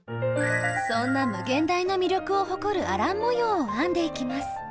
そんな無限大の魅力を誇るアラン模様を編んでいきます。